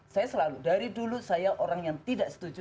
saya selalu dari dulu saya orang yang tidak setuju